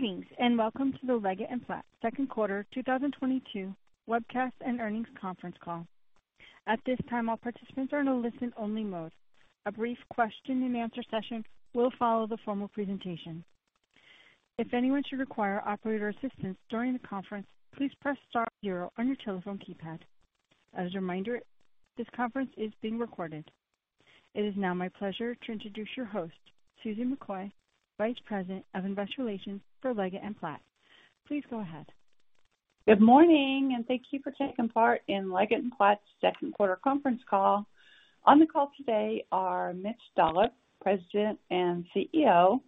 Greetings, and welcome to the Leggett & Platt Second Quarter 2022 Webcast and Earnings Conference Call. At this time, all participants are in a listen-only mode. A brief question and answer session will follow the formal presentation. If anyone should require operator assistance during the conference, please press star zero on your telephone keypad. As a reminder, this conference is being recorded. It is now my pleasure to introduce your host, Susan McCoy, Vice President of Investor Relations for Leggett & Platt. Please go ahead. Good morning and thank you for taking part in Leggett & Platt's Second Quarter Conference Call. On the call today are Mitch Dolloff, President and CEO,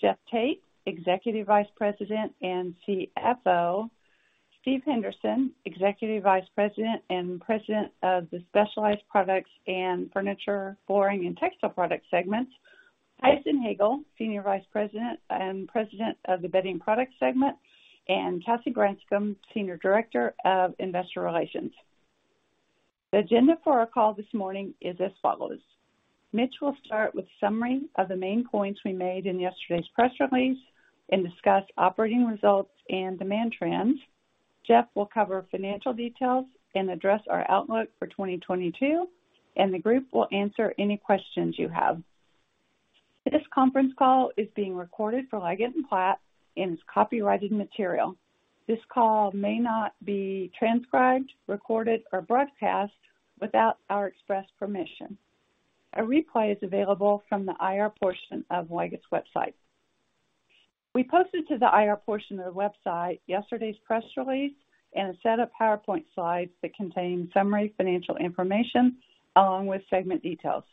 Jeff Tate, Executive Vice President and CFO, Steven Henderson, Executive Vice President and President of the Specialized Products and Furniture, Flooring & Textile Products segments, Tyson Hagale, Senior Vice President and President of the Bedding Products segment, and Cassie Branscum, Senior Director of Investor Relations. The agenda for our call this morning is as follows. Mitch will start with summary of the main points we made in yesterday's press release and discuss operating results and demand trends. Jeff will cover financial details and address our outlook for 2022, and the group will answer any questions you have. This conference call is being recorded for Leggett & Platt and is copyrighted material. This call may not be transcribed, recorded, or broadcast without our express permission. A replay is available from the IR portion of Leggett's website. We posted to the IR portion of the website yesterday's press release and a set of PowerPoint slides that contain summary financial information along with segment details.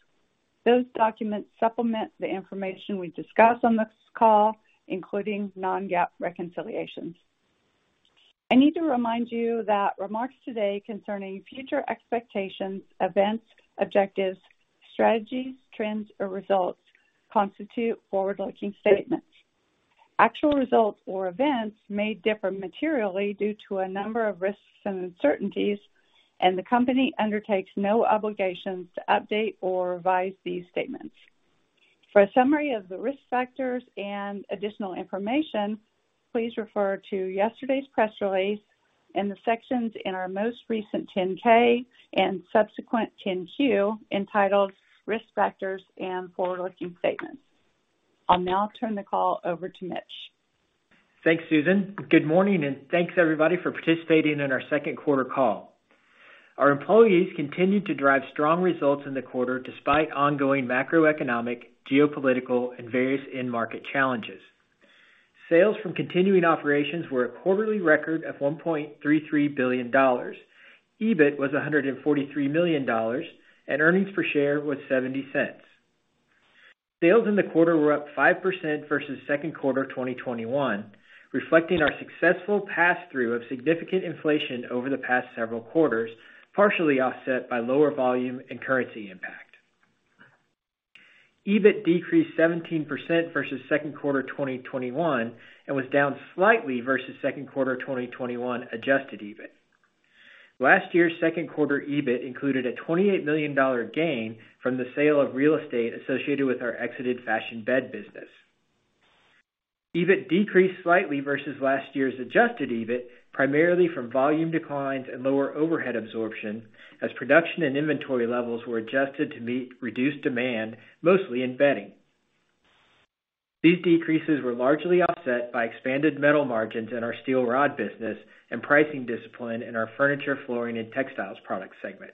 Those documents supplement the information we discuss on this call, including non-GAAP reconciliations. I need to remind you that remarks today concerning future expectations, events, objectives, strategies, trends, or results constitute forward-looking statements. Actual results or events may differ materially due to a number of risks and uncertainties, and the company undertakes no obligations to update or revise these statements. For a summary of the risk factors and additional information, please refer to yesterday's press release in the sections in our most recent 10-K and subsequent 10-Q entitled Risk Factors and Forward-Looking Statements. I'll now turn the call over to Mitch. Thanks, Susan. Good morning, and thanks everybody for participating in our second quarter call. Our employees continued to drive strong results in the quarter despite ongoing macroeconomic, geopolitical, and various end market challenges. Sales from continuing operations were a quarterly record of $1.33 billion. EBIT was $143 million, and earnings per share was $0.70. Sales in the quarter were up 5% versus second quarter 2021, reflecting our successful pass-through of significant inflation over the past several quarters, partially offset by lower volume and currency impact. EBIT decreased 17% versus second quarter 2021 and was down slightly versus second quarter 2021 adjusted EBIT. Last year's second quarter EBIT included a $28 million gain from the sale of real estate associated with our exited Fashion Bed business. EBIT decreased slightly versus last year's Adjusted EBIT, primarily from volume declines and lower overhead absorption as production and inventory levels were adjusted to meet reduced demand, mostly in bedding. These decreases were largely offset by expanded metal margins in our steel rod business and pricing discipline in our Furniture, Flooring, and Textile Products segment.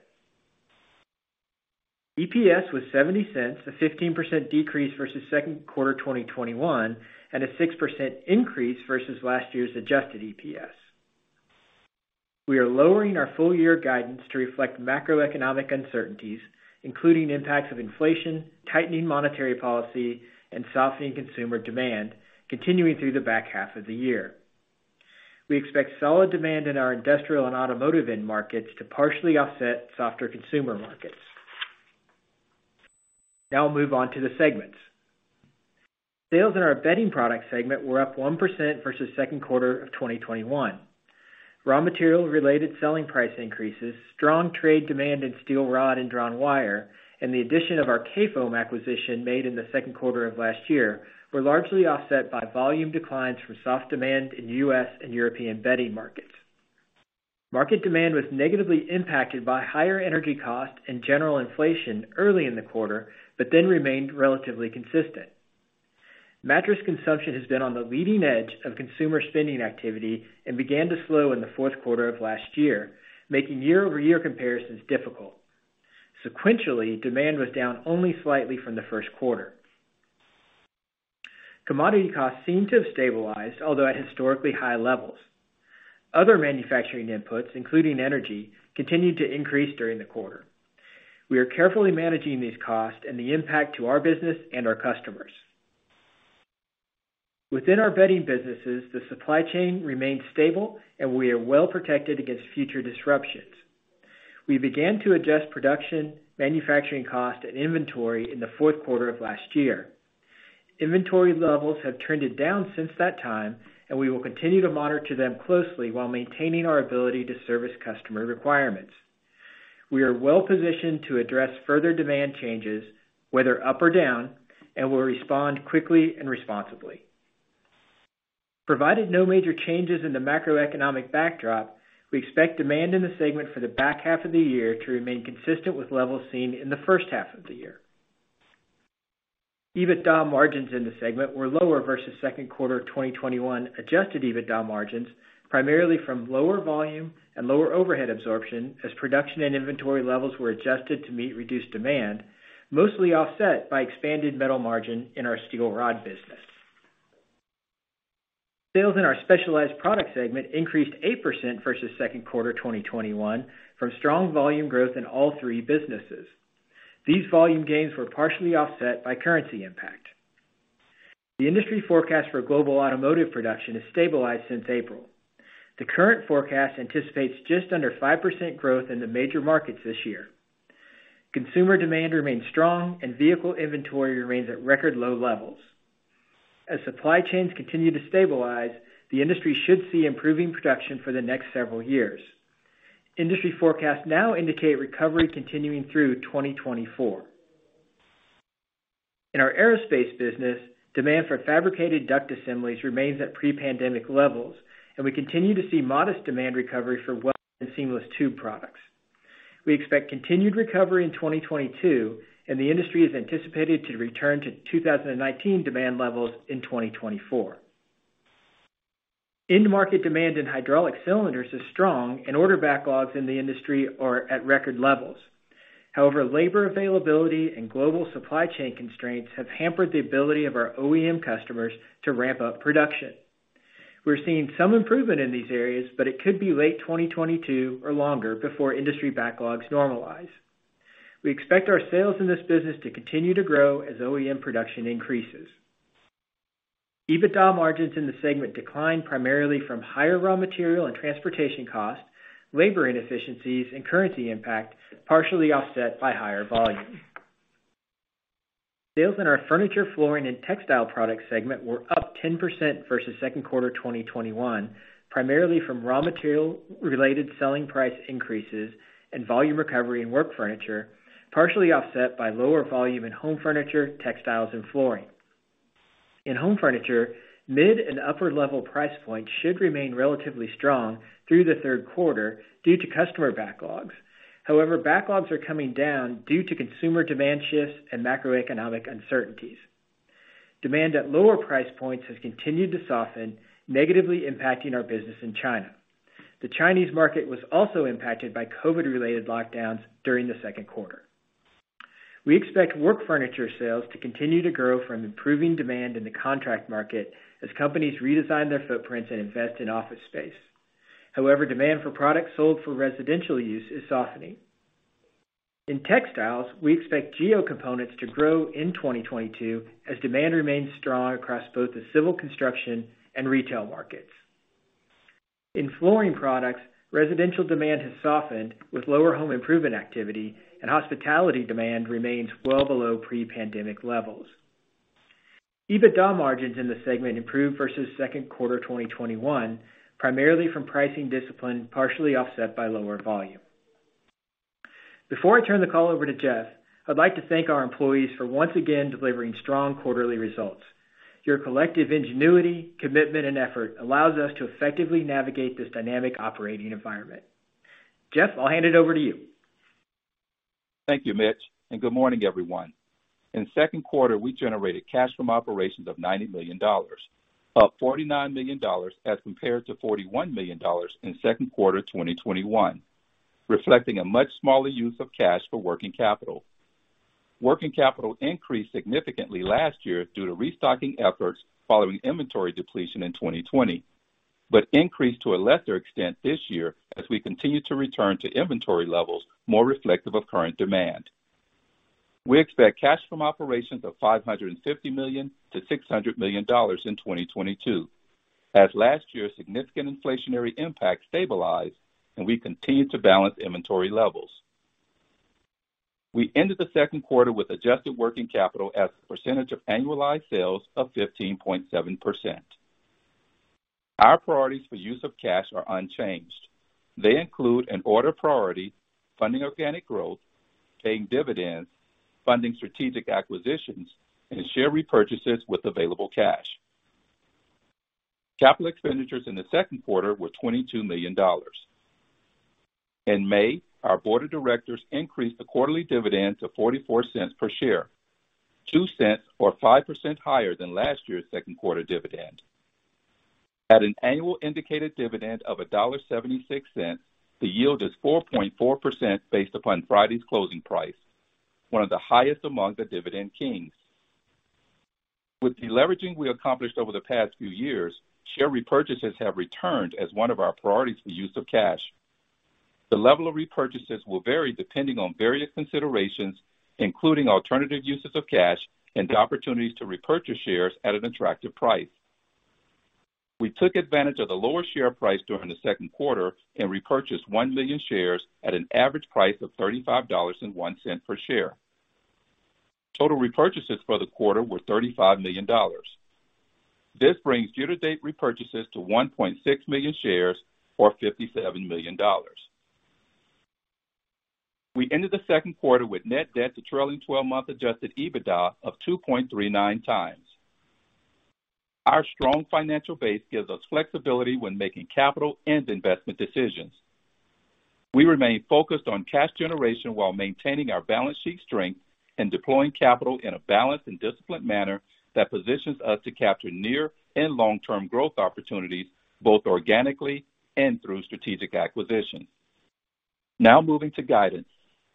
EPS was $0.70, a 15% decrease versus second quarter 2021, and a 6% increase versus last year's Adjusted EPS. We are lowering our full year guidance to reflect macroeconomic uncertainties, including impacts of inflation, tightening monetary policy, and softening consumer demand continuing through the back half of the year. We expect solid demand in our industrial and automotive end markets to partially offset softer consumer markets. Now I'll move on to the segments. Sales in our Bedding Products segment were up 1% versus second quarter of 2021. Raw material related selling price increases, strong trade demand in steel rod and drawn wire, and the addition of our Kayfoam Woolfson acquisition made in the second quarter of last year were largely offset by volume declines from soft demand in U.S. and European bedding markets. Market demand was negatively impacted by higher energy costs and general inflation early in the quarter, but then remained relatively consistent. Mattress consumption has been on the leading edge of consumer spending activity and began to slow in the fourth quarter of last year, making year-over-year comparisons difficult. Sequentially, demand was down only slightly from the first quarter. Commodity costs seem to have stabilized, although at historically high levels. Other manufacturing inputs, including energy, continued to increase during the quarter. We are carefully managing these costs and the impact to our business and our customers. Within our Bedding Products businesses, the supply chain remained stable, and we are well protected against future disruptions. We began to adjust production, manufacturing cost and inventory in the fourth quarter of last year. Inventory levels have trended down since that time, and we will continue to monitor them closely while maintaining our ability to service customer requirements. We are well positioned to address further demand changes, whether up or down, and will respond quickly and responsibly. Provided no major changes in the macroeconomic backdrop, we expect demand in the segment for the back half of the year to remain consistent with levels seen in the first half of the year. EBITDA margins in the segment were lower versus second quarter 2021 Adjusted EBITDA margins, primarily from lower volume and lower overhead absorption as production and inventory levels were adjusted to meet reduced demand, mostly offset by expanded metal margin in our steel rod business. Sales in our Specialized Products segment increased 8% versus second quarter 2021 from strong volume growth in all three businesses. These volume gains were partially offset by currency impact. The industry forecast for global automotive production has stabilized since April. The current forecast anticipates just under 5% growth in the major markets this year. Consumer demand remains strong and vehicle inventory remains at record low levels. As supply chains continue to stabilize, the industry should see improving production for the next several years. Industry forecasts now indicate recovery continuing through 2024. In our aerospace business, demand for fabricated duct assemblies remains at pre-pandemic levels, and we continue to see modest demand recovery for welded and seamless tube products. We expect continued recovery in 2022, and the industry is anticipated to return to 2019 demand levels in 2024. End market demand in hydraulic cylinders is strong and order backlogs in the industry are at record levels. However, labor availability and global supply chain constraints have hampered the ability of our OEM customers to ramp up production. We're seeing some improvement in these areas, but it could be late 2022 or longer before industry backlogs normalize. We expect our sales in this business to continue to grow as OEM production increases. EBITDA margins in the segment declined primarily from higher raw material and transportation costs, labor inefficiencies, and currency impact, partially offset by higher volume. Sales in our Furniture, Flooring & Textile Products segment were up 10% versus second quarter 2021, primarily from raw material-related selling price increases and volume recovery in work furniture, partially offset by lower volume in home furniture, textiles, and flooring. In home furniture, mid and upper-level price points should remain relatively strong through the third quarter due to customer backlogs. However, backlogs are coming down due to consumer demand shifts and macroeconomic uncertainties. Demand at lower price points has continued to soften, negatively impacting our business in China. The Chinese market was also impacted by COVID-related lockdowns during the second quarter. We expect work furniture sales to continue to grow from improving demand in the contract market as companies redesign their footprints and invest in office space. However, demand for products sold for residential use is softening. In textiles, we expect geo components to grow in 2022 as demand remains strong across both the civil construction and retail markets. In flooring products, residential demand has softened with lower home improvement activity, and hospitality demand remains well below pre-pandemic levels. EBITDA margins in the segment improved versus second quarter 2021, primarily from pricing discipline, partially offset by lower volume. Before I turn the call over to Jeff, I'd like to thank our employees for once again delivering strong quarterly results. Your collective ingenuity, commitment, and effort allows us to effectively navigate this dynamic operating environment. Jeff, I'll hand it over to you. Thank you, Mitch, and good morning, everyone. In the second quarter, we generated cash from operations of $90 million, up $49 million as compared to $41 million in second quarter 2021, reflecting a much smaller use of cash for working capital. Working capital increased significantly last year due to restocking efforts following inventory depletion in 2020, but increased to a lesser extent this year as we continue to return to inventory levels more reflective of current demand. We expect cash from operations of $550 million-$600 million in 2022, as last year's significant inflationary impact stabilized and we continue to balance inventory levels. We ended the second quarter with adjusted working capital as a percentage of annualized sales of 15.7%. Our priorities for use of cash are unchanged. They include an order priority, funding organic growth, paying dividends, funding strategic acquisitions, and share repurchases with available cash. Capital expenditures in the second quarter were $22 million. In May, our board of directors increased the quarterly dividend to $0.44 per share, $0.02 or 5% higher than last year's second quarter dividend. At an annual indicated dividend of $1.76, the yield is 4.4% based upon Friday's closing price, one of the highest among the Dividend Kings. With the leveraging we accomplished over the past few years, share repurchases have returned as one of our priorities for use of cash. The level of repurchases will vary depending on various considerations, including alternative uses of cash and the opportunities to repurchase shares at an attractive price. We took advantage of the lower share price during the second quarter and repurchased 1 million shares at an average price of $35.01 per share. Total repurchases for the quarter were $35 million. This brings year-to-date repurchases to 1.6 million shares or $57 million. We ended the second quarter with net debt to trailing twelve-month Adjusted EBITDA of 2.39 times. Our strong financial base gives us flexibility when making capital and investment decisions. We remain focused on cash generation while maintaining our balance sheet strength and deploying capital in a balanced and disciplined manner that positions us to capture near- and long-term growth opportunities, both organically and through strategic acquisitions. Now moving to guidance.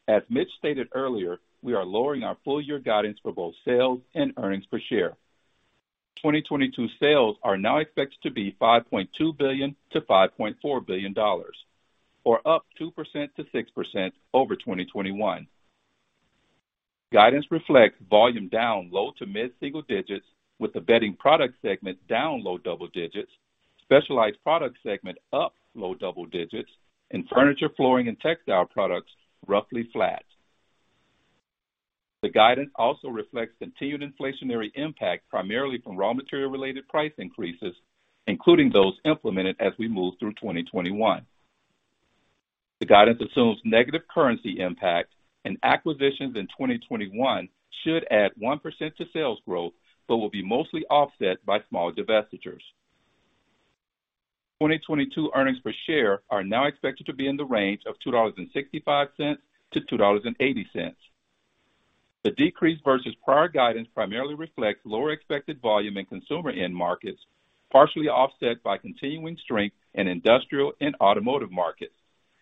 As Mitch stated earlier, we are lowering our full-year guidance for both sales and earnings per share. 2022 sales are now expected to be $5.2 billion-$5.4 billion, or up 2%-6% over 2021. Guidance reflects volume down low- to mid-single digits, with the Bedding Products segment down low double digits, Specialized Products segment up low double digits, and Furniture, Flooring & Textile Products roughly flat. The guidance also reflects continued inflationary impact, primarily from raw material related price increases, including those implemented as we move through 2021. The guidance assumes negative currency impact and acquisitions in 2021 should add 1% to sales growth, but will be mostly offset by small divestitures. 2022 earnings per share are now expected to be in the range of $2.65-$2.80. The decrease versus prior guidance primarily reflects lower expected volume in consumer end markets, partially offset by continuing strength in industrial and automotive markets,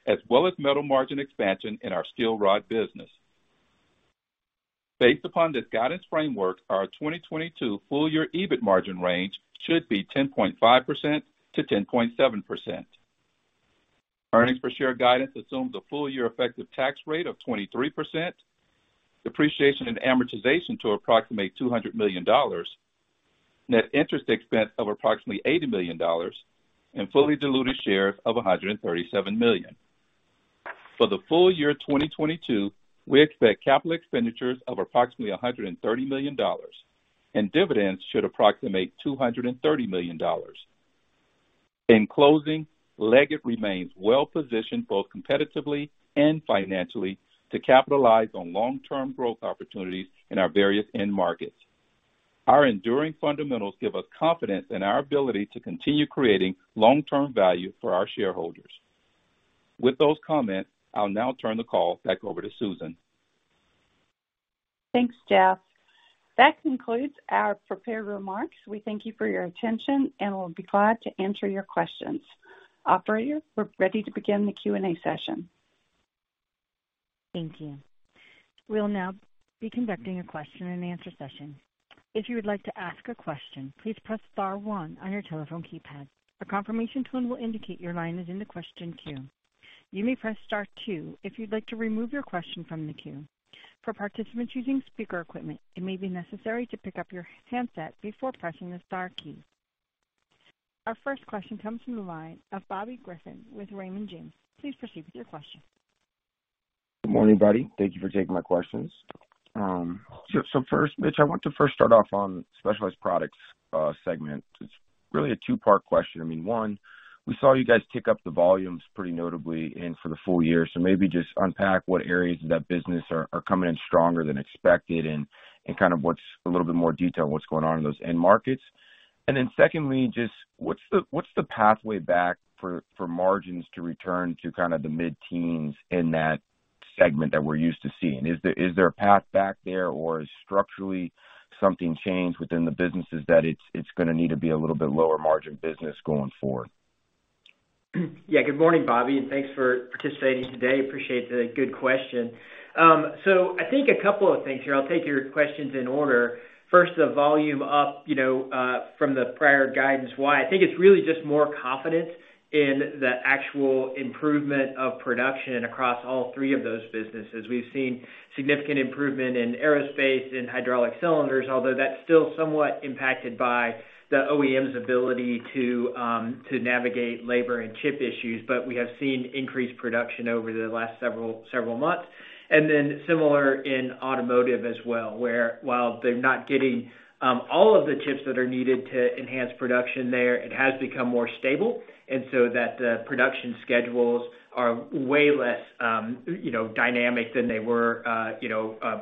as well as metal margin expansion in our steel rod business. Based upon this guidance framework, our 2022 full year EBIT margin range should be 10.5%-10.7%. Earnings per share guidance assumes a full year effective tax rate of 23%, depreciation and amortization to approximate $200 million, net interest expense of approximately $80 million, and fully diluted shares of 137 million. For the full year 2022, we expect capital expenditures of approximately $130 million, and dividends should approximate $230 million. In closing, Leggett & Platt remains well positioned, both competitively and financially, to capitalize on long-term growth opportunities in our various end markets. Our enduring fundamentals give us confidence in our ability to continue creating long-term value for our shareholders. With those comments, I'll now turn the call back over to Susan. Thanks, Jeff. That concludes our prepared remarks. We thank you for your attention, and we'll be glad to answer your questions. Operator, we're ready to begin the Q&A session. Thank you. We'll now be conducting a question and answer session. If you would like to ask a question, please press star one on your telephone keypad. A confirmation tone will indicate your line is in the question queue. You may press star two if you'd like to remove your question from the queue. For participants using speaker equipment, it may be necessary to pick up your handset before pressing the star key. Our first question comes from the line of Bobby Griffin with Raymond James. Please proceed with your question. Good morning, everybody. Thank you for taking my questions. First, Mitch, I want to first start off on Specialized Products segment. It's really a two-part question. I mean, one, we saw you guys tick up the volumes pretty notably and for the full year. Maybe just unpack what areas of that business are coming in stronger than expected and kind of what's a little bit more detail on what's going on in those end markets. Secondly, just what's the pathway back for margins to return to kind of the mid-teens in that segment that we're used to seeing? Is there a path back there or has structurally something changed within the businesses that it's gonna need to be a little bit lower margin business going forward? Yeah, good morning, Bobby, and thanks for participating today. Appreciate the good question. So I think a couple of things here. I'll take your questions in order. First, the volume up, you know, from the prior guidance. Why? I think it's really just more confidence in the actual improvement of production across all three of those businesses. We've seen significant improvement in Aerospace and hydraulic cylinders, although that's still somewhat impacted by the OEM's ability to to navigate labor and chip issues. We have seen increased production over the last several months. Similar in automotive as well, where while they're not getting all of the chips that are needed to enhance production there, it has become more stable. The production schedules are way less, you know, dynamic than they were,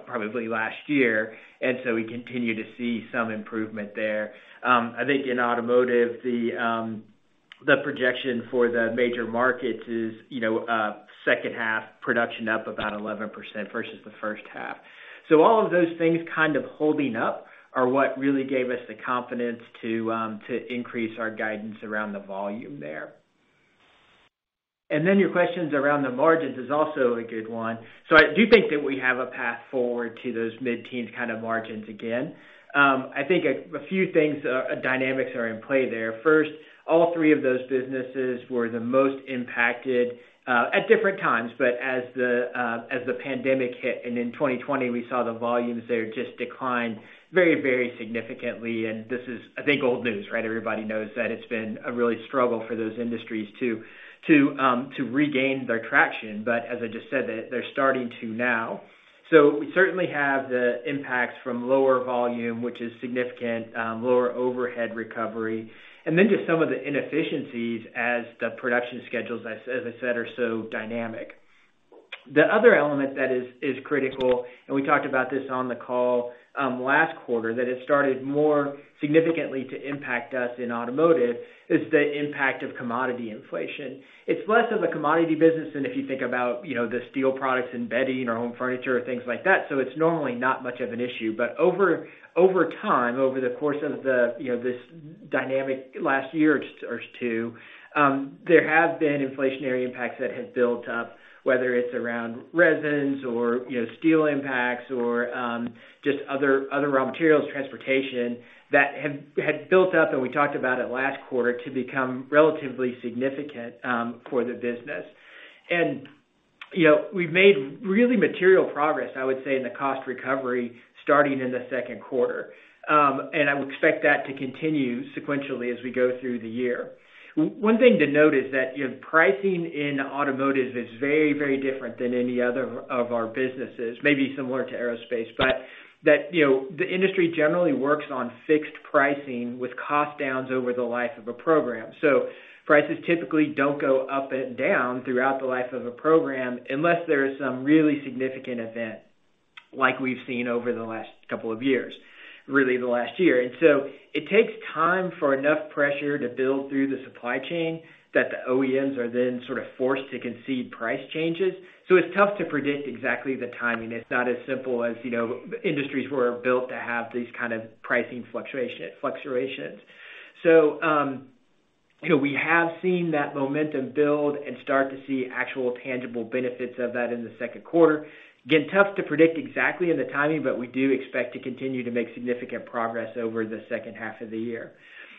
probably last year. We continue to see some improvement there. I think in automotive, the projection for the major markets is, you know, second half production up about 11% versus the first half. All of those things kind of holding up are what really gave us the confidence to increase our guidance around the volume there. Then your questions around the margins is also a good one. I do think that we have a path forward to those mid-teen kind of margins again. I think a few things dynamics are in play there. First, all three of those businesses were the most impacted at different times. As the pandemic hit, and in 2020 we saw the volumes there just decline very, very significantly. This is, I think, old news, right? Everybody knows that it's been a real struggle for those industries to regain their traction. As I just said, they're starting to now. We certainly have the impacts from lower volume, which is significant, lower overhead recovery. Just some of the inefficiencies as the production schedules, as I said, are so dynamic. The other element that is critical, and we talked about this on the call last quarter that it started more significantly to impact us in automotive, is the impact of commodity inflation. It's less of a commodity business than if you think about, you know, the steel products in bedding or home furniture or things like that. So it's normally not much of an issue. But over time, over the course of the, you know, this dynamic last year or two, there have been inflationary impacts that have built up, whether it's around resins or, you know, steel impacts or just other raw materials, transportation that had built up, and we talked about it last quarter, to become relatively significant for the business. You know, we've made really material progress, I would say, in the cost recovery starting in the second quarter. I would expect that to continue sequentially as we go through the year. One thing to note is that, you know, pricing in automotive is very, very different than any other of our businesses, maybe similar to aerospace, but that, you know, the industry generally works on fixed pricing with cost downs over the life of a program. Prices typically don't go up and down throughout the life of a program unless there is some really significant event like we've seen over the last couple of years, really the last year. It takes time for enough pressure to build through the supply chain that the OEMs are then sort of forced to concede price changes. It's tough to predict exactly the timing. It's not as simple as, you know, industries who are built to have these kind of pricing fluctuations. We have seen that momentum build and start to see actual tangible benefits of that in the second quarter. Again, tough to predict exactly in the timing, but we do expect to continue to make significant progress over the second half of the year.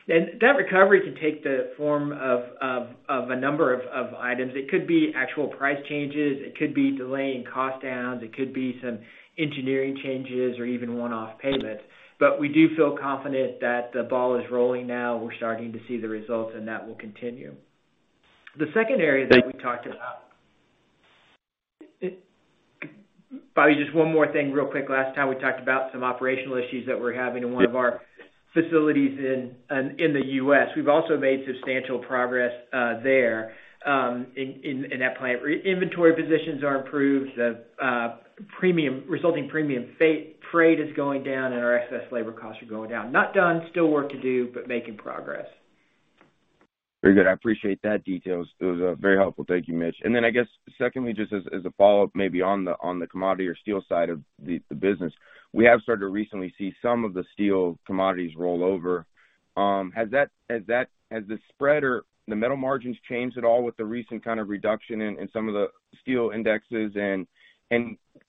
That recovery can take the form of a number of items. It could be actual price changes, it could be delaying cost downs, it could be some engineering changes or even one-off payments. We do feel confident that the ball is rolling now. We're starting to see the results, and that will continue. The second area that we talked about. Bobby, just one more thing real quick. Last time we talked about some operational issues that we're having in one of our facilities in the U.S. We've also made substantial progress there in that plant. Inventory positions are improved. The premium freight is going down and our excess labor costs are going down. Not done, still work to do, but making progress. Very good. I appreciate that detail. It was very helpful. Thank you, Mitch. Then I guess secondly, just as a follow-up maybe on the commodity or steel side of the business, we have started to recently see some of the steel commodities roll over. Has the spread or the metal margins changed at all with the recent kind of reduction in some of the steel indexes?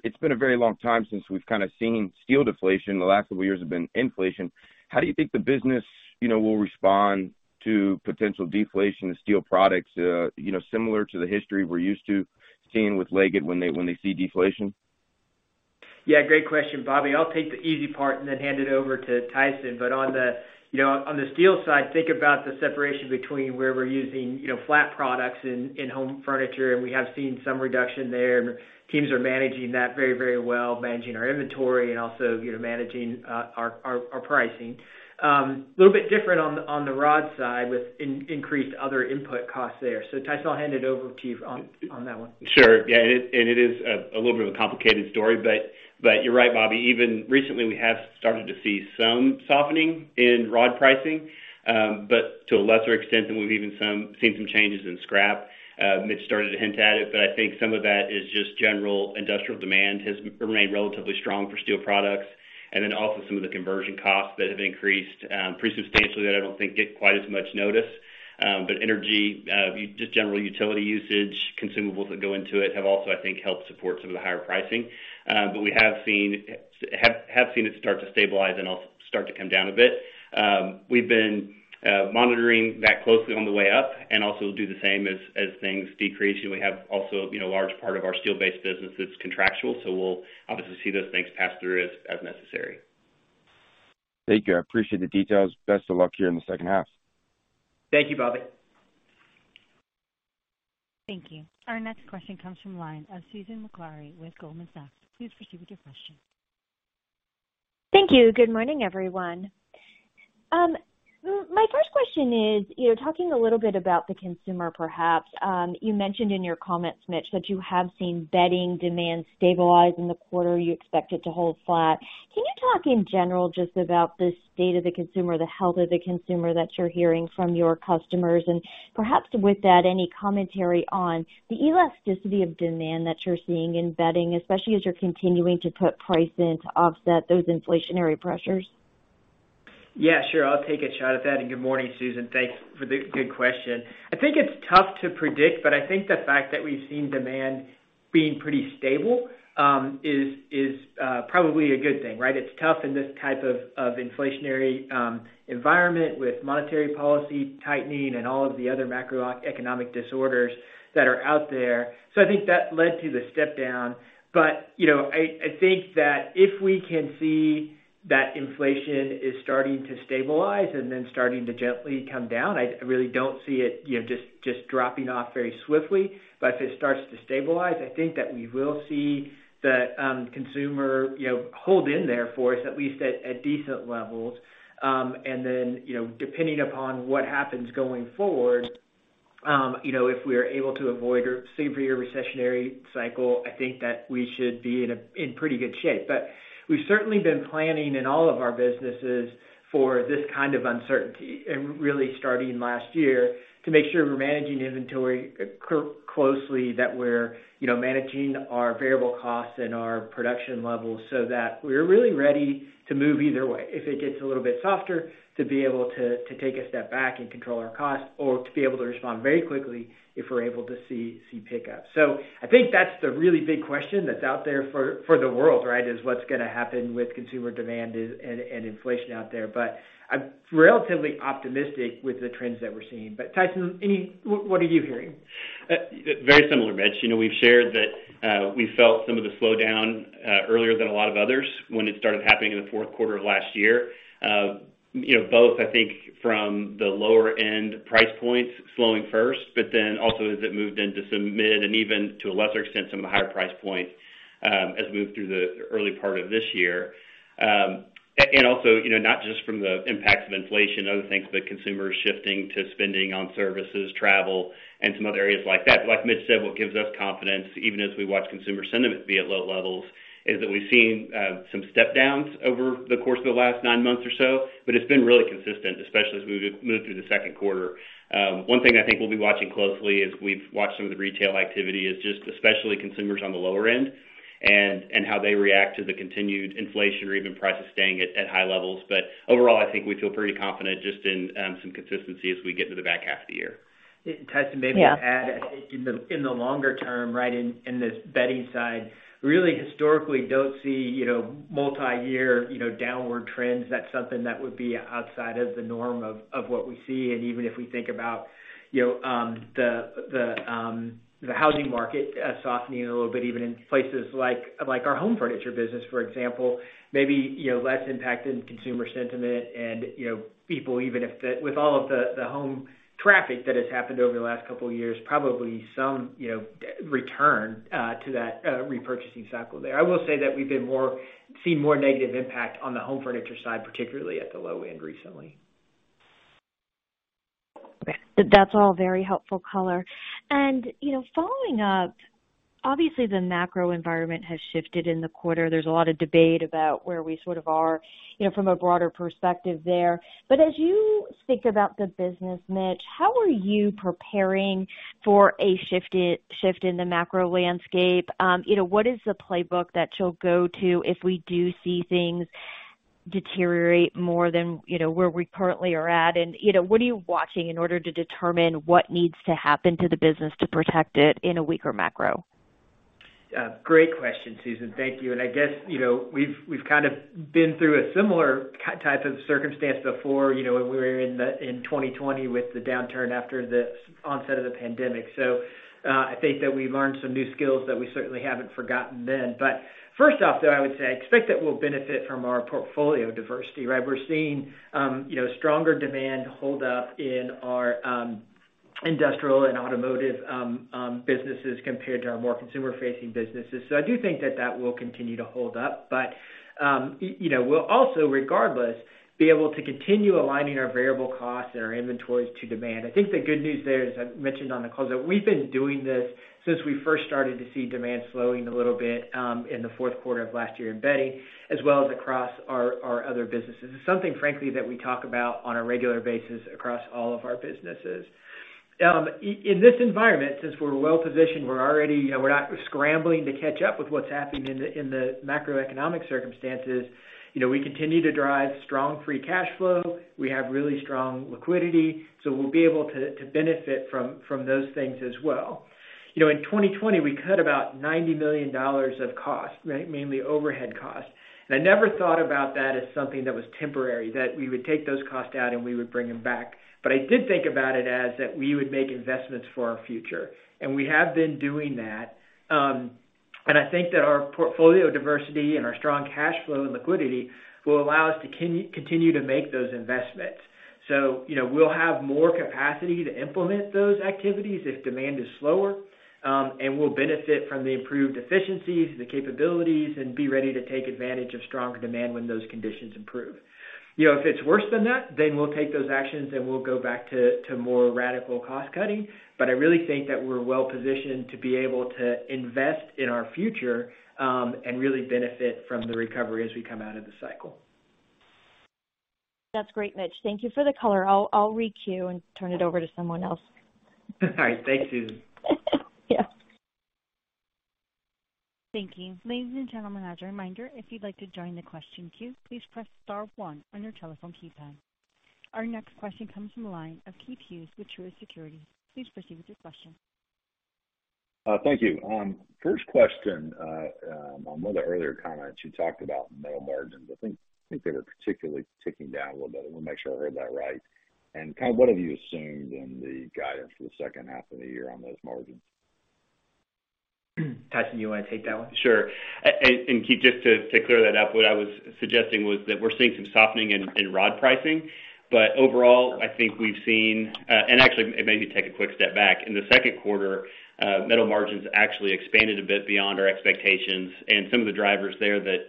It's been a very long time since we've kind of seen steel deflation. The last couple years have been inflation. How do you think the business, you know, will respond to potential deflation of steel products, you know, similar to the history we're used to seeing with Leggett when they see deflation? Yeah, great question, Bobby. I'll take the easy part and then hand it over to Tyson. On the steel side, you know, think about the separation between where we're using, you know, flat products in home furniture, and we have seen some reduction there. Teams are managing that very, very well, managing our inventory and also, you know, managing our pricing. A little bit different on the rod side with increased other input costs there. Tyson, I'll hand it over to you on that one. Sure. Yeah, it's a little bit of a complicated story, but you're right, Bobby. Even recently we have started to see some softening in rod pricing, but to a lesser extent than we've even seen some changes in scrap. Mitch started to hint at it, but I think some of that is just general industrial demand has remained relatively strong for steel products. Some of the conversion costs that have increased pretty substantially that I don't think get quite as much notice. Energy, just general utility usage, consumables that go into it have also, I think, helped support some of the higher pricing. We have seen it start to stabilize and also start to come down a bit. We've been monitoring that closely on the way up and also do the same as things decrease. We have also, you know, a large part of our steel-based business is contractual, so we'll obviously see those things pass through as necessary. Thank you. I appreciate the details. Best of luck here in the second half. Thank you, Bobby. Thank you. Our next question comes from the line of Susan Maklari with Goldman Sachs. Please proceed with your question. Thank you. Good morning, everyone. My first question is, you know, talking a little bit about the consumer perhaps, you mentioned in your comments, Mitch, that you have seen bedding demand stabilize in the quarter. You expect it to hold flat. Can you talk in general just about the state of the consumer, the health of the consumer that you're hearing from your customers? Perhaps with that, any commentary on the elasticity of demand that you're seeing in bedding, especially as you're continuing to put price in to offset those inflationary pressures? Yeah, sure. I'll take a shot at that. Good morning, Susan. Thanks for the good question. I think it's tough to predict, but I think the fact that we've seen demand being pretty stable is probably a good thing, right? It's tough in this type of inflationary environment with monetary policy tightening and all of the other macroeconomic disorders that are out there. I think that led to the step down. You know, I think that if we can see that inflation is starting to stabilize and then starting to gently come down, I really don't see it, you know, just dropping off very swiftly. If it starts to stabilize, I think that we will see the consumer, you know, hold in there for us, at least at decent levels. Depending upon what happens going forward, you know, if we are able to avoid a severe recessionary cycle, I think that we should be in pretty good shape. We've certainly been planning in all of our businesses for this kind of uncertainty, and really starting last year, to make sure we're managing inventory closely, that we're, you know, managing our variable costs and our production levels so that we're really ready to move either way. If it gets a little bit softer, to be able to take a step back and control our costs or to be able to respond very quickly if we're able to see pickup. I think that's the really big question that's out there for the world, right? What's gonna happen with consumer demand and inflation out there. I'm relatively optimistic with the trends that we're seeing. Tyson, what are you hearing? Very similar, Mitch. You know, we've shared that we felt some of the slowdown earlier than a lot of others when it started happening in the fourth quarter of last year. You know, both I think from the lower end price points slowing first, but then also as it moved into some mid and even to a lesser extent, some of the higher price points, as we moved through the early part of this year. And also, you know, not just from the impacts of inflation, other things, but consumers shifting to spending on services, travel, and some other areas like that. Like Mitch said, what gives us confidence, even as we watch consumer sentiment be at low levels, is that we've seen some step downs over the course of the last nine months or so, but it's been really consistent, especially as we move through the second quarter. One thing I think we'll be watching closely is we've watched some of the retail activity is just especially consumers on the lower end and how they react to the continued inflation or even prices staying at high levels. Overall, I think we feel pretty confident just in some consistency as we get to the back half of the year. Tyson, maybe to add. Yeah. In the longer term, right, in this bedding side, really historically don't see, you know, multi-year, you know, downward trends. That's something that would be outside of the norm of what we see. Even if we think about, you know, the housing market softening a little bit even in places like our home furniture business, for example, maybe, you know, less impact in consumer sentiment and, you know, people. With all of the home traffic that has happened over the last couple of years, probably some, you know, return to that repurchasing cycle there. I will say that we've seen more negative impact on the home furniture side, particularly at the low end recently. That's all very helpful color. You know, following up, obviously the macro environment has shifted in the quarter. There's a lot of debate about where we sort of are, you know, from a broader perspective there. As you think about the business, Mitch, how are you preparing for a shift in the macro landscape? You know, what is the playbook that you'll go to if we do see things deteriorate more than, you know, where we currently are at? You know, what are you watching in order to determine what needs to happen to the business to protect it in a weaker macro? Yeah. Great question, Susan. Thank you. I guess, you know, we've kind of been through a similar K-shaped circumstance before, you know, when we were in 2020 with the downturn after the onset of the pandemic. I think that we learned some new skills that we certainly haven't forgotten them. First off, though, I would say I expect that we'll benefit from our portfolio diversity, right? We're seeing, you know, stronger demand hold up in our industrial and automotive businesses compared to our more consumer-facing businesses. I do think that that will continue to hold up. You know, we'll also regardless be able to continue aligning our variable costs and our inventories to demand. I think the good news there, as I mentioned on the close up, we've been doing this since we first started to see demand slowing a little bit in the fourth quarter of last year in bedding, as well as across our other businesses. It's something frankly that we talk about on a regular basis across all of our businesses. In this environment, since we're well-positioned, we're already you know, we're not scrambling to catch up with what's happening in the macroeconomic circumstances. You know, we continue to drive strong free cash flow. We have really strong liquidity, so we'll be able to benefit from those things as well. You know, in 2020, we cut about $90 million of cost, right? Mainly overhead costs. I never thought about that as something that was temporary, that we would take those costs out and we would bring them back. I did think about it as that we would make investments for our future, and we have been doing that. I think that our portfolio diversity and our strong cash flow and liquidity will allow us to continue to make those investments. You know, we'll have more capacity to implement those activities if demand is slower, and we'll benefit from the improved efficiencies, the capabilities, and be ready to take advantage of stronger demand when those conditions improve. You know, if it's worse than that, then we'll take those actions, and we'll go back to more radical cost cutting. I really think that we're well-positioned to be able to invest in our future, and really benefit from the recovery as we come out of the cycle. That's great, Mitch. Thank you for the color. I'll requeue and turn it over to someone else. All right. Thanks, Susan. Yeah. Thank you. Ladies and gentlemen, as a reminder, if you'd like to join the question queue, please press star one on your telephone keypad. Our next question comes from the line of Keith Hughes with Truist Securities. Please proceed with your question. Thank you. First question, on one of the earlier comments, you talked about metal margins. I think they were particularly ticking down a little bit. I wanna make sure I heard that right. Kind of what have you assumed in the guidance for the second half of the year on those margins? Tyson, you wanna take that one? Sure. Keith, just to clear that up, what I was suggesting was that we're seeing some softening in rod pricing. Overall, I think we've seen actually, maybe take a quick step back. In the second quarter, metal margins actually expanded a bit beyond our expectations and some of the drivers there that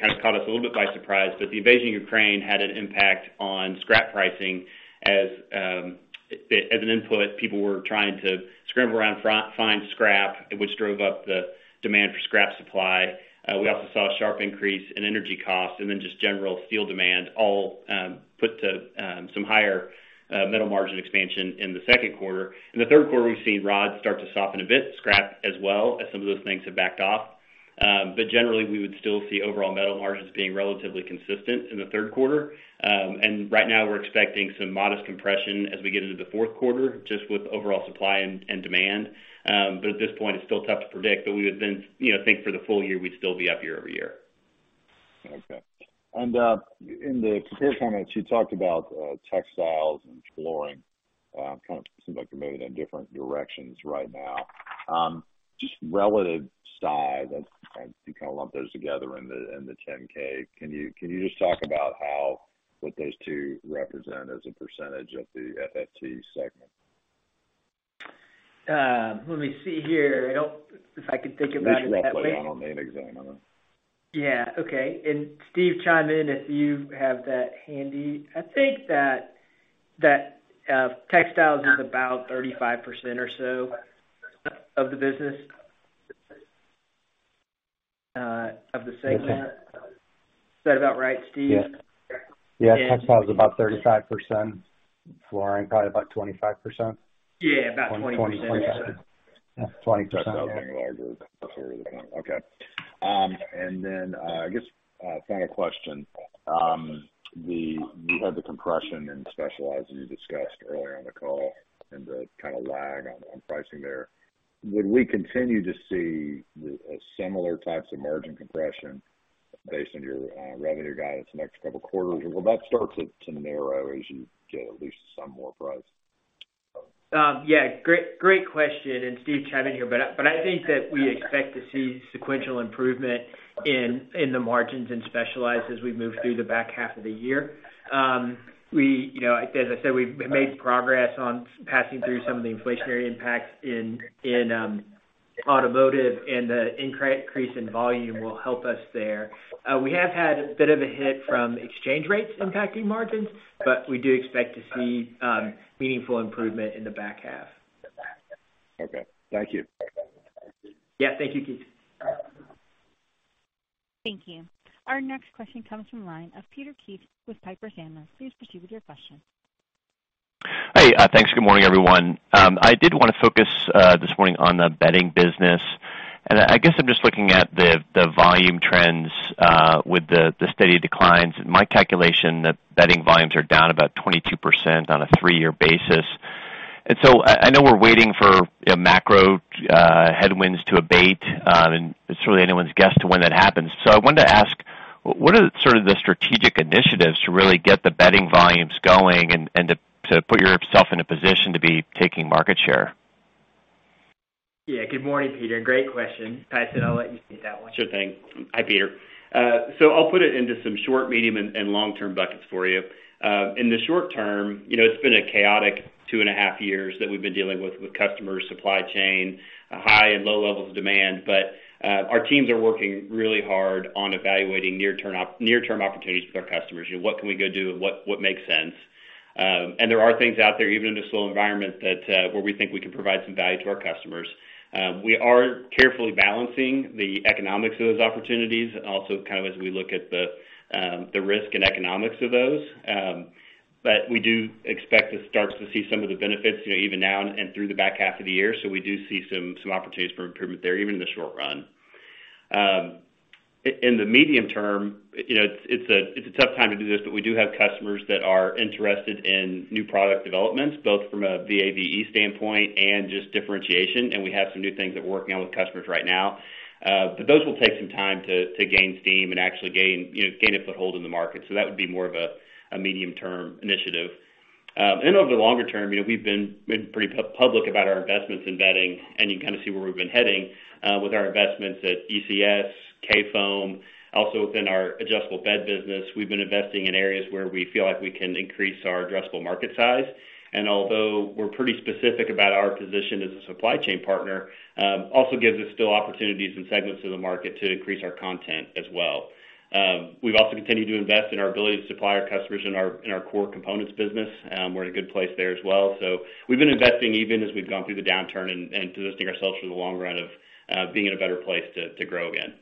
kind of caught us a little bit by surprise. The invasion of Ukraine had an impact on scrap pricing as As an input, people were trying to scramble around find scrap, which drove up the demand for scrap supply. We also saw a sharp increase in energy costs and then just general steel demand all put to some higher metal margin expansion in the second quarter. In the third quarter, we've seen rod start to soften a bit, scrap as well, as some of those things have backed off. Generally, we would still see overall metal margins being relatively consistent in the third quarter. Right now we're expecting some modest compression as we get into the fourth quarter, just with overall supply and demand. At this point, it's still tough to predict, but we would then, you know, think for the full year, we'd still be up year-over-year. Okay. In the prepared comments, you talked about textiles and flooring. It kind of seems like they're moving in different directions right now. Just relative size, I think you kind of lump those together in the 10-K. Can you just talk about how what those two represent as a percentage of the FT segment? Let me see here. If I can think about it that way. At least roughly. I don't need an exact number. Yeah. Okay. Steve, chime in if you have that handy. I think that textiles is about 35% or so of the business of the segment. Okay. Is that about right, Steve? Yeah. Yeah. And- Textiles is about 35%. Flooring probably about 25%. Yeah, about 20% or so. 20, 25. Yeah, 25. I guess final question. You had the compression in specialized as you discussed earlier on the call and the kinda lag on pricing there. Would we continue to see the similar types of margin compression based on your revenue guidance the next couple of quarters? Or will that start to narrow as you get at least some more price? Yeah. Great question, and Steve chimed in here. I think that we expect to see sequential improvement in the margins in specialized as we move through the back half of the year. We, you know, as I said, we've made progress on passing through some of the inflationary impacts in automotive, and the increase in volume will help us there. We have had a bit of a hit from exchange rates impacting margins, but we do expect to see meaningful improvement in the back half. Okay. Thank you. Yeah. Thank you, Keith. Thank you. Our next question comes from line of Peter Keith with Piper Sandler. Please proceed with your question. Hey. Thanks. Good morning, everyone. I did wanna focus this morning on the bedding business. I guess I'm just looking at the volume trends with the steady declines. My calculation, the bedding volumes are down about 22% on a three-year basis. I know we're waiting for, you know, macro headwinds to abate, and it's really anyone's guess to when that happens. I wanted to ask, what are sort of the strategic initiatives to really get the bedding volumes going and to put yourself in a position to be taking market share? Yeah. Good morning, Peter. Great question. Tyson, I'll let you take that one. Sure thing. Hi, Peter. I'll put it into some short, medium, and long-term buckets for you. In the short term, you know, it's been a chaotic two and a half years that we've been dealing with customer supply chain and high and low levels of demand. Our teams are working really hard on evaluating near-term opportunities with our customers. You know, what can we go do and what makes sense. There are things out there, even in a slow environment, that where we think we can provide some value to our customers. We are carefully balancing the economics of those opportunities, and also kind of as we look at the risk and economics of those. We do expect to start to see some of the benefits, you know, even now and through the back half of the year. So we do see some opportunities for improvement there, even in the short run. In the medium term, you know, it's a tough time to do this, but we do have customers that are interested in new product developments, both from a VAVE standpoint and just differentiation, and we have some new things that we're working on with customers right now. Those will take some time to gain steam and actually gain a foothold in the market. So that would be more of a medium-term initiative. Over the longer term, you know, we've been pretty public about our investments in bedding, and you can kind of see where we've been heading with our investments at ECS, Kayfoam. Also within our adjustable bed business, we've been investing in areas where we feel like we can increase our addressable market size. Although we're pretty specific about our position as a supply chain partner, also gives us still opportunities and segments of the market to increase our content as well. We've also continued to invest in our ability to supply our customers in our core components business. We're in a good place there as well. We've been investing even as we've gone through the downturn and positioning ourselves for the long run of being in a better place to grow again.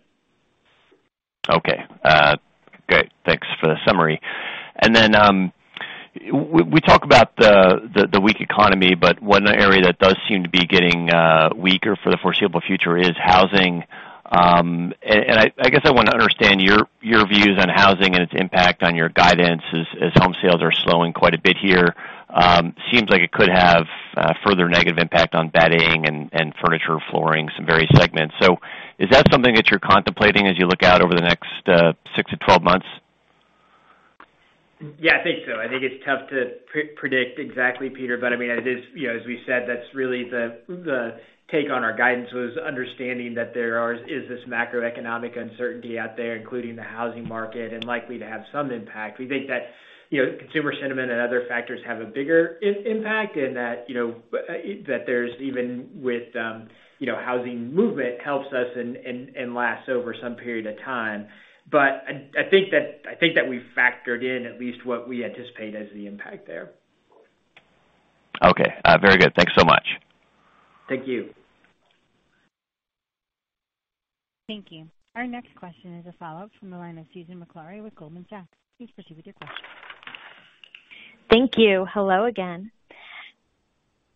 Okay. Great. Thanks for the summary. Then, we talk about the weak economy, but one area that does seem to be getting weaker for the foreseeable future is housing. I guess I wanna understand your views on housing and its impact on your guidance as home sales are slowing quite a bit here. Seems like it could have further negative impact on bedding and furniture, flooring, some various segments. Is that something that you're contemplating as you look out over the next 6-12 months? Yeah, I think so. I think it's tough to predict exactly, Peter, but I mean, it is. You know, as we said, that's really the take on our guidance was understanding that there is this macroeconomic uncertainty out there, including the housing market and likely to have some impact. We think that, you know, consumer sentiment and other factors have a bigger impact and that, you know, that there's even with housing movement helps us and lasts over some period of time. I think that we factored in at least what we anticipate as the impact there. Okay. Very good. Thanks so much. Thank you. Thank you. Our next question is a follow-up from the line of Susan Maklari with Goldman Sachs. Please proceed with your question. Thank you. Hello again.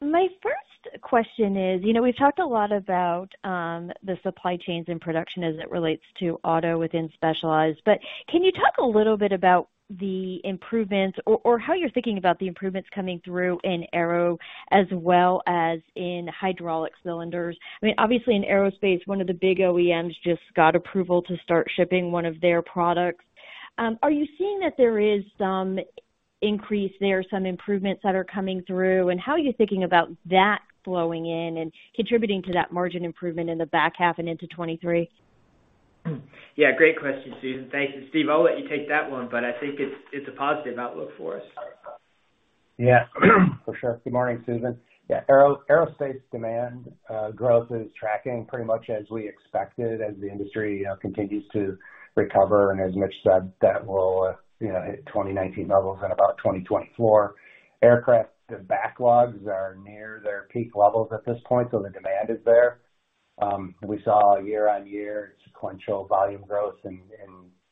My first question is, you know, we've talked a lot about the supply chains in production as it relates to auto within Specialized, but can you talk a little bit about the improvements or how you're thinking about the improvements coming through in aero as well as in hydraulic cylinders? I mean, obviously in aerospace, one of the big OEMs just got approval to start shipping one of their products. Are you seeing that there is some increase there, some improvements that are coming through? How are you thinking about that flowing in and contributing to that margin improvement in the back half and into 2023? Yeah, great question, Susan. Thank you. Steve, I'll let you take that one, but I think it's a positive outlook for us. Yeah, for sure. Good morning, Susan. Yeah, aerospace demand growth is tracking pretty much as we expected as the industry continues to recover, and as Mitch said, that we'll, you know, hit 2019 levels in about 2024. Aircraft backlogs are near their peak levels at this point, so the demand is there. We saw year-on-year sequential volume growth in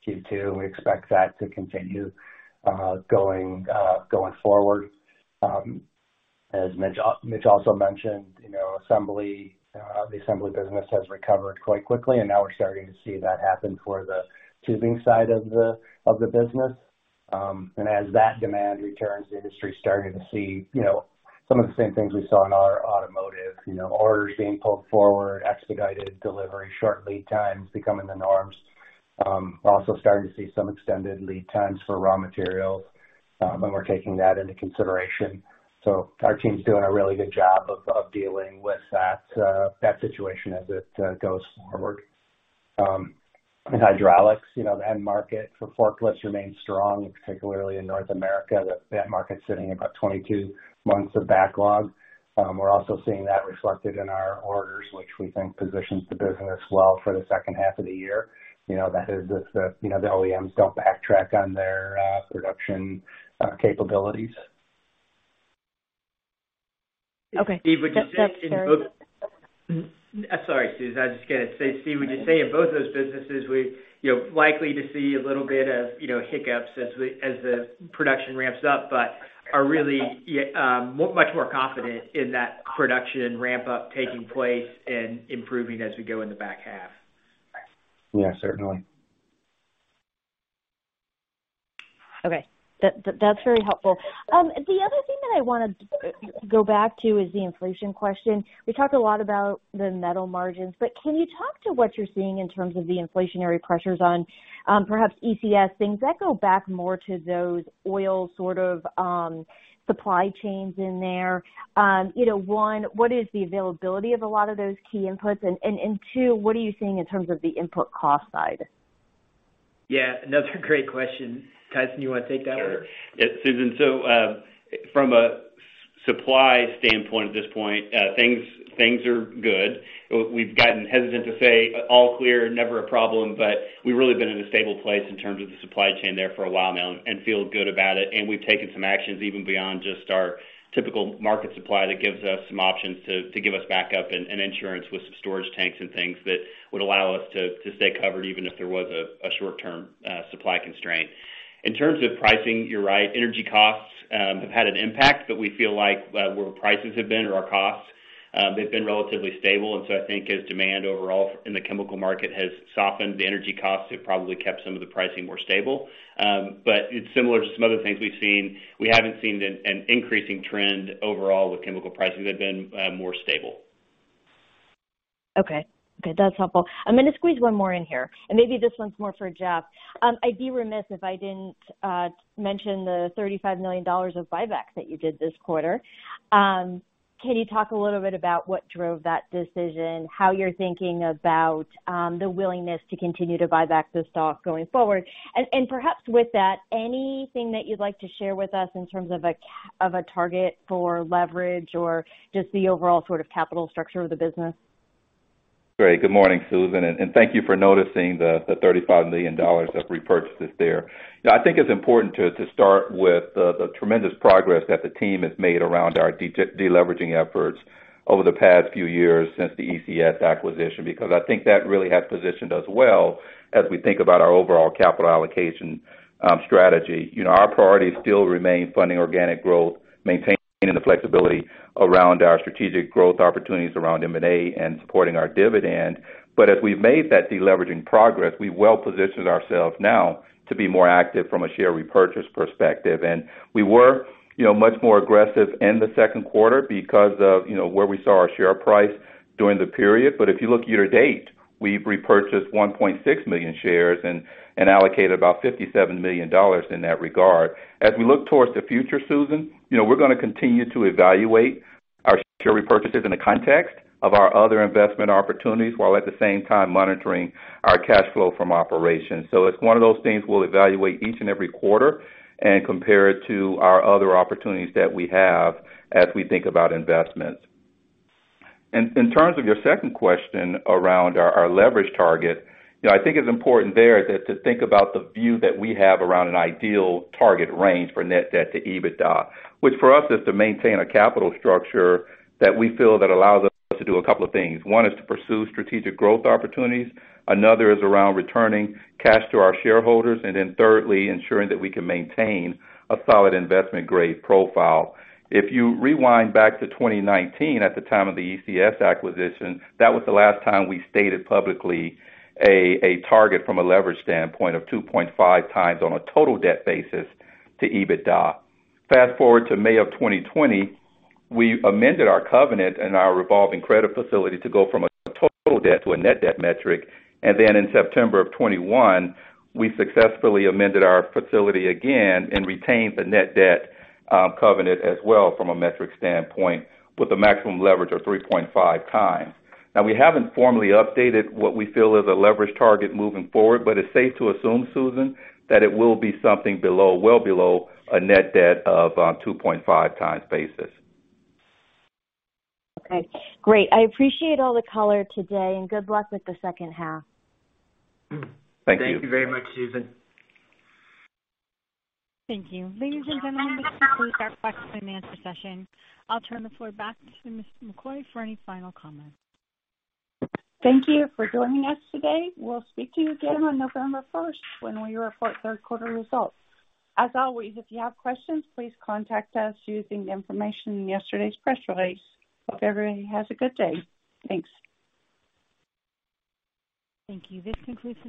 Q2. We expect that to continue going forward. As Mitch also mentioned, you know, the assembly business has recovered quite quickly, and now we're starting to see that happen for the tubing side of the business. As that demand returns, the industry's starting to see, you know, some of the same things we saw in our automotive. You know, orders being pulled forward, expedited delivery, short lead times becoming the norms. Also starting to see some extended lead times for raw materials, and we're taking that into consideration. Our team's doing a really good job of dealing with that situation as it goes forward. In hydraulics, you know, the end market for forklifts remains strong, particularly in North America. That market's sitting at about 22 months of backlog. We're also seeing that reflected in our orders, which we think positions the business well for the second half of the year. You know, that is if the, you know, the OEMs don't backtrack on their production capabilities. Okay. Steve, would you say in both those businesses we you know likely to see a little bit of you know hiccups as the production ramps up, but are really much more confident in that production ramp-up taking place and improving as we go in the back half? Yeah, certainly. Okay. That's very helpful. The other thing that I wanna go back to is the inflation question. We talked a lot about the metal margins, but can you talk to what you're seeing in terms of the inflationary pressures on, perhaps ECS, things that go back more to those oil sort of supply chains in there? You know, one, what is the availability of a lot of those key inputs? And two, what are you seeing in terms of the input cost side? Yeah, another great question. Tyson, you wanna take that one? Sure. Yeah, Susan, from a supply standpoint at this point, things are good. We've gotten hesitant to say all clear, no problem, but we've really been in a stable place in terms of the supply chain there for a while now and feel good about it. We've taken some actions even beyond just our typical market supply that gives us some options to give us backup and insurance with some storage tanks and things that would allow us to stay covered even if there was a short-term supply constraint. In terms of pricing, you're right. Energy costs have had an impact, but we feel like where prices have been or our costs, they've been relatively stable. I think as demand overall in the chemical market has softened, the energy costs have probably kept some of the pricing more stable. It's similar to some other things we've seen. We haven't seen an increasing trend overall with chemical pricing. They've been more stable. Okay. That's helpful. I'm gonna squeeze one more in here, and maybe this one's more for Jeff. I'd be remiss if I didn't mention the $35 million of buybacks that you did this quarter. Can you talk a little bit about what drove that decision, how you're thinking about the willingness to continue to buy back the stock going forward? And perhaps with that, anything that you'd like to share with us in terms of a target for leverage or just the overall sort of capital structure of the business? Great. Good morning, Susan, and thank you for noticing the $35 million of repurchases there. You know, I think it's important to start with the tremendous progress that the team has made around our deleveraging efforts over the past few years since the ECS acquisition, because I think that really has positioned us well as we think about our overall capital allocation strategy. You know, our priorities still remain funding organic growth, maintaining the flexibility around our strategic growth opportunities around M&A and supporting our dividend. As we've made that deleveraging progress, we've well positioned ourselves now to be more active from a share repurchase perspective. We were, you know, much more aggressive in the second quarter because of, you know, where we saw our share price during the period. If you look year to date, we've repurchased 1.6 million shares and allocated about $57 million in that regard. As we look towards the future, Susan, you know, we're gonna continue to evaluate our share repurchases in the context of our other investment opportunities, while at the same time monitoring our cash flow from operations. It's one of those things we'll evaluate each and every quarter and compare it to our other opportunities that we have as we think about investments. In terms of your second question around our leverage target, you know, I think it's important there to think about the view that we have around an ideal target range for net debt to EBITDA. Which for us is to maintain a capital structure that we feel that allows us to do a couple of things. One is to pursue strategic growth opportunities. Another is around returning cash to our shareholders. Thirdly, ensuring that we can maintain a solid investment-grade profile. If you rewind back to 2019 at the time of the ECS acquisition, that was the last time we stated publicly a target from a leverage standpoint of 2.5 times on a total debt basis to EBITDA. Fast-forward to May of 2020, we amended our covenant and our revolving credit facility to go from a total debt to a net debt metric. In September of 2021, we successfully amended our facility again and retained the net debt covenant as well from a metric standpoint with a maximum leverage of 3.5 times. Now, we haven't formally updated what we feel is a leverage target moving forward, but it's safe to assume, Susan, that it will be something below, well below a Net Debt to EBITDA of 2.5x. Okay, great. I appreciate all the color today, and good luck with the second half. Thank you. Thank you very much, Susan. Thank you. Ladies and gentlemen, this concludes our question and answer session. I'll turn the floor back to Ms. McCoy for any final comments. Thank you for joining us today. We'll speak to you again on November first when we report third quarter results. As always, if you have questions, please contact us using the information in yesterday's press release. Hope everybody has a good day. Thanks. Thank you. This concludes today's.